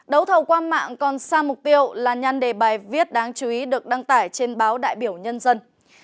đấu thầu qua mạng còn sang mục tiêu là nhan đề bài viết đáng chú ý được đăng tải trên báo đại biểu nhân dân